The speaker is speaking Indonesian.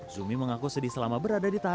zumi mengaku sedih selama berada di tangan